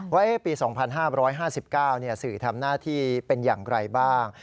วันที่๒๕๕๙สื่อทำหน้าที่เป็นยังไกลบ้าง